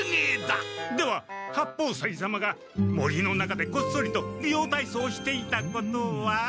では八方斎様が森の中でこっそりとびようたいそうしていたことは？